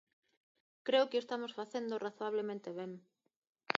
Creo que o estamos facendo razoablemente ben.